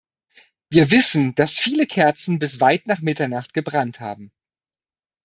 Wir wissen, dass viele Kerzen bis weit nach Mitternacht gebrannt haben.